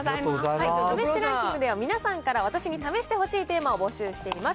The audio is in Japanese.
試してランキングでは皆さんから私に試してほしいテーマを募集しています。